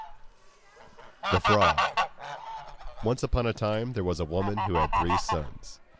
THE FROG Once upon a time there was a woman who had three sons.